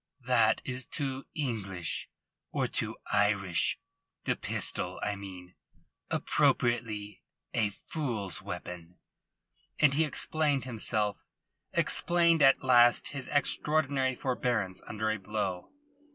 "That is too English, or too Irish. The pistol, I mean appropriately a fool's weapon." And he explained himself, explained at last his extraordinary forbearance under a blow.